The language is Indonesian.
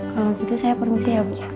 kalo gitu saya permisi ya bu ya